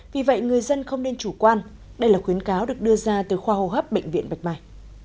vì vậy người dân không nên chủ quan đây là khuyến cáo được đưa ra từ khoa hô hấp bệnh viện bạch mai